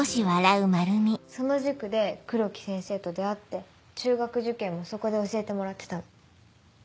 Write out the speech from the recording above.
その塾で黒木先生と出会って中学受験もそこで教えてもらってたの。